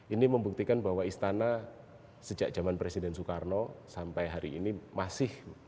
ini membuktikan bahwa istana sejak zaman presiden soekarno sampai hari ini masih